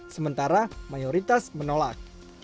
sementara mayoritas menolak